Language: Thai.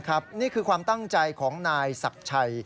นี่คือความตั้งใจของนายศักดิ์ชัย